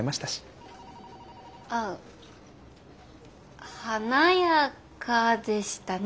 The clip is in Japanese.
あ華やかでしたね